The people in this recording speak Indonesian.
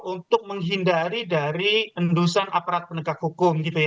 untuk menghindari dari endusan aparat penegak hukum